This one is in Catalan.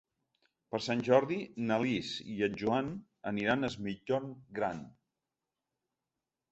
Per Sant Jordi na Lis i en Joan aniran a Es Migjorn Gran.